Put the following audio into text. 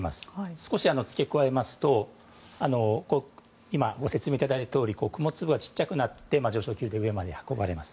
少し付け加えますと今、ご説明いただいたとおり雲粒が小さくなって上昇気流で上まで運ばれます。